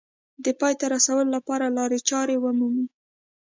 د پای ته رسولو لپاره لارې چارې ومومي